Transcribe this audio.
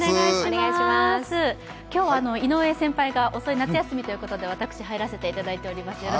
今日は井上先輩が遅い夏休みということで私、入らせていただいております。